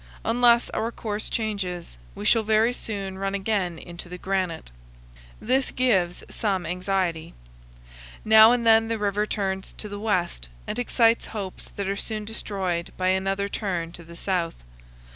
Unless our course changes we shall very soon run again into the granite. This gives some anxiety. Now and then the river turns to the west and excites hopes that are soon destroyed by another turn to the south.